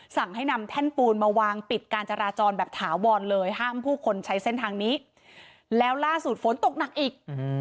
สั่งให้นำแท่นปูนมาวางปิดการจราจรแบบถาวรเลยห้ามผู้คนใช้เส้นทางนี้แล้วล่าสุดฝนตกหนักอีก